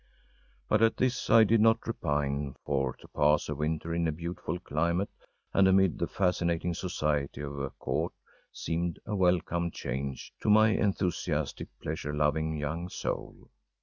But at this I did not repine, for to pass a winter in a beautiful climate and amid the fascinating society of a court seemed a welcome change to my enthusiastic, pleasure loving young soul.